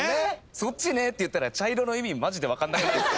そっちねって言ったら茶色の意味マジで分かんなくないっすか？